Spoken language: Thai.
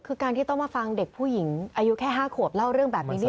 คือการที่ต้องมาฟังเด็กผู้หญิงอายุแค่๕ขวบเล่าเรื่องแบบนี้นี่